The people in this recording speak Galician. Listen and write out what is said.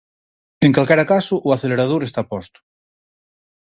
En calquera caso, o acelerador está posto.